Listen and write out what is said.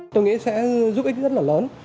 tôi nghĩ sẽ giúp ích rất là lớn